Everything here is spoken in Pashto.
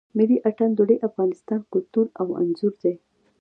ملی آتڼ د لوی افغانستان کلتور او آنځور دی.